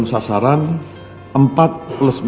untuk memelihara momentum pertumbuhan ekonomi